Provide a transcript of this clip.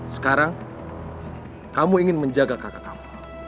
sekarang kamu ingin menjaga kakak kamu